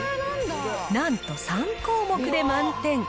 なんと、３項目で満点。